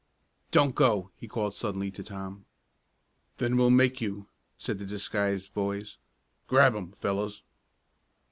"Don't go!" he called suddenly to Tom. "Then we'll make you!" said the disguised voice. "Grab 'em fellows!"